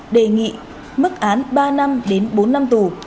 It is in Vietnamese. đề nghị mức án ba năm đến bốn năm tù